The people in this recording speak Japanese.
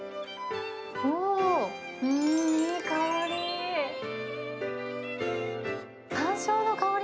うわー、うーん、いい香り。